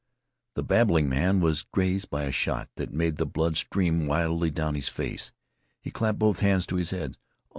The babbling man was grazed by a shot that made the blood stream widely down his face. He clapped both hands to his head.